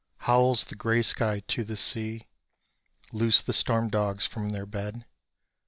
Howls the grey sky to the sea Loose the storm dogs from their bed.